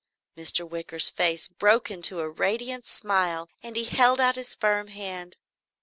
Mr. Wicker's face broke into a radiant smile and he held out his firm hand.